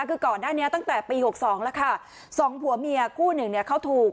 คือก่อนหน้านี้ตั้งแต่ปีหกสองแล้วค่ะสองผัวเมียคู่หนึ่งเนี่ยเขาถูก